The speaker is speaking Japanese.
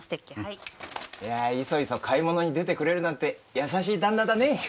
いそいそ買い物に出てくれるなんて優しい旦那だね。